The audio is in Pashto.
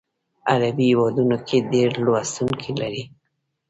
عربي هیوادونو کې ډیر لوستونکي لري.